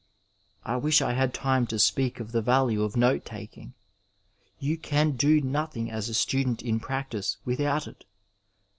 I wish I had time to speak of the value of note taking. Tou can do nothing as a student in practice without it.